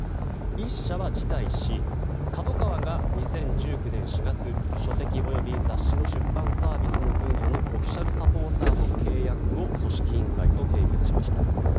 １社は辞退しＫＡＤＯＫＡＷＡが２０１９年４月「書籍及び雑誌の出版サービス」の分野のオフィシャルサポーターの契約を組織委員会と締結しました。